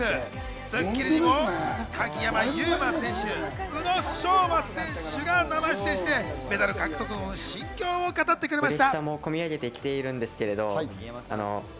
『スッキリ』にも鍵山優真選手、宇野昌磨選手が生出演してメダル獲得後の心境を語ってくれました。